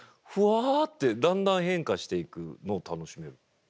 ふわってだんだん変化していくのを楽しめる。